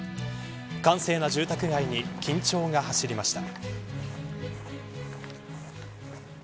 閑静な住宅街に緊張が走りました。